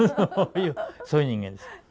そういう人間です。